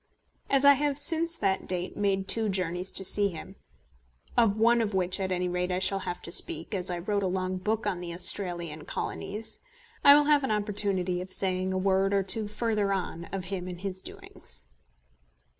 As I have since that date made two journeys to see him, of one of which at any rate I shall have to speak, as I wrote a long book on the Australasian Colonies, I will have an opportunity of saying a word or two further on of him and his doings.